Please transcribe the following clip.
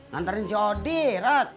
ngantarin si odi rat